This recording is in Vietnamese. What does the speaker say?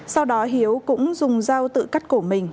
sau đó hiếu cũng dùng dao tự cắt cổ mình